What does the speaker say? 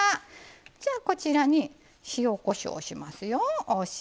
じゃあこちらに塩・こしょうしますよ。お塩。